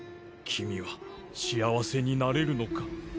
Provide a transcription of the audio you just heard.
君は幸せになれるのか？